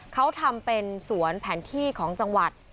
เขาทำเป็นสวนแผนที่ของจังหวัด